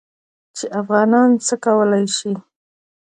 چې افغانان څه کولی شي.